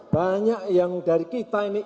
banyak yang dari kita ini